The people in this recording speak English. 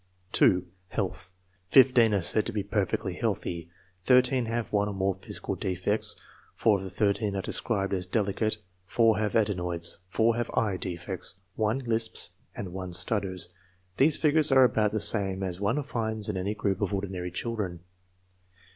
2. Health. 15 are said to be perfectly healthy; 13 have one or more physical defects; 4 of the 13 are described as delicate; 4 have adenoids; 4 have eye defects; 1 lisps; and 1 stutters. These figures are about the same as one finds in any group of ordinary children.